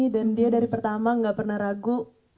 dan dia dari pertama gak pernah ragu